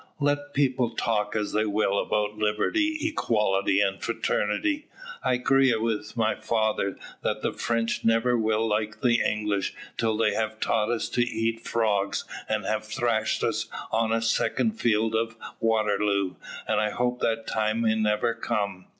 "Let people talk as they will about liberty, equality, and fraternity, I agree with my father, that the French never will like the English till they have taught us to eat frogs, and have thrashed us on a second field of Waterloo, and I hope that time may never come."